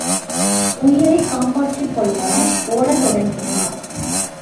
உயிரைக் காப்பாற்றிக்கொள்ள ஓடத்தொடங்கினார்.